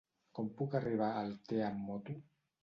Com puc arribar a Altea amb moto?